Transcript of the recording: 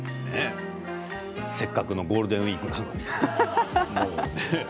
せっかくのゴールデンウイークなのに。